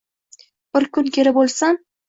Bir kun kelib o‘lsam